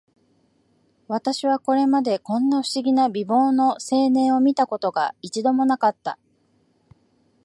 私はこれまで、こんな不思議な美貌の青年を見た事が、一度も無かった